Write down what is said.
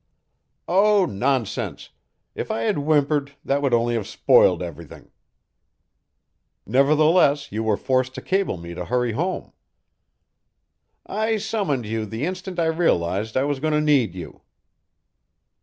"Oh, nonsense. If I had whimpered, that would only have spoiled everything." "Nevertheless, you were forced to cable me to hurry home." "I summoned you the instant I realized I was going to need you."